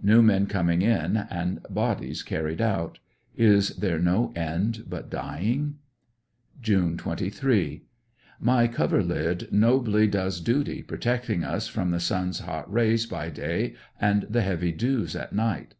New men coming in, and bodies carried out. Is there no end but djing? June 23. — My coverlid nobly does duty, protecting us from the sun's hot rays by day and the heavy dews at night.